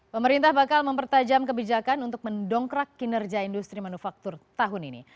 pemerintah bakal mempertajam kebijakan untuk mendongkrak kinerja industri manufaktur tahun ini